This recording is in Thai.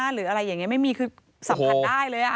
หรืออะไรอย่างนี้ไม่มีคือสัมผัสได้เลย